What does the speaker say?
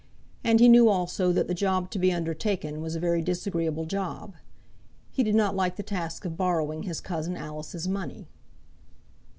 And he knew also that the job to be undertaken was a very disagreeable job. He did not like the task of borrowing his cousin Alice's money.